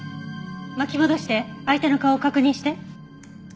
巻き戻して相手の顔を確認して。